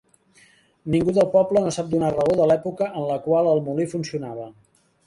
Ningú del poble no sap donar raó de l'època en la qual el molí funcionava.